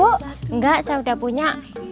enggak saya udah punya